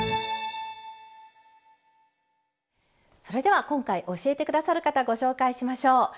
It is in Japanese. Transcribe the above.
それでは今回教えて下さる方ご紹介しましょう。